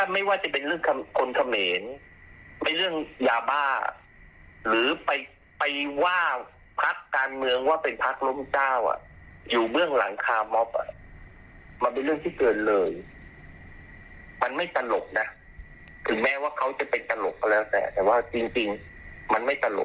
มันไม่ตลก